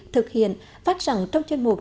thực hiện phát sẵn trong chân mục